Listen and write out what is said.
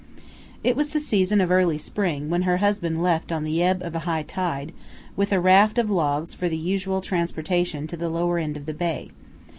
It was the season of early spring when her husband left on the ebb of a high tide, with a raft of logs for the usual transportation to the lower end of the bay.